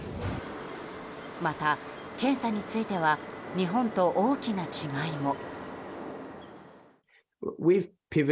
また、検査については日本と大きな違いも。